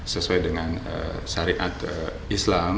sesuai dengan syariat islam